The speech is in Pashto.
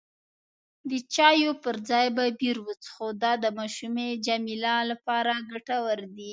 د چایو پر ځای به بیر وڅښو، دا د ماشومې جميله لپاره ګټور دی.